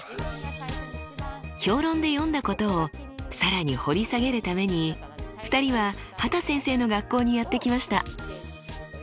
評論で読んだことを更に掘り下げるために２人は畑先生の学校にやって来ました。